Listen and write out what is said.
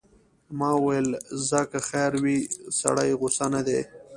ما ویل ځه که خیر وي، سړی غوسه نه دی.